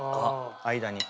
間に。